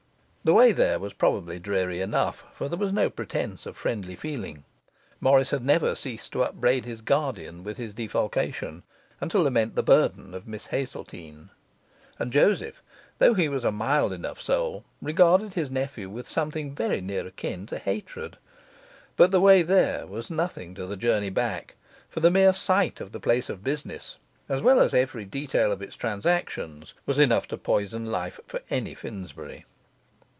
The way there was probably dreary enough, for there was no pretence of friendly feeling; Morris had never ceased to upbraid his guardian with his defalcation and to lament the burthen of Miss Hazeltine; and Joseph, though he was a mild enough soul, regarded his nephew with something very near akin to hatred. But the way there was nothing to the journey back; for the mere sight of the place of business, as well as every detail of its transactions, was enough to poison life for any Finsbury.